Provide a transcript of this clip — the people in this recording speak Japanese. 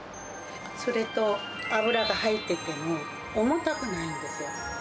それと脂が入ってても、重たくないんですよ。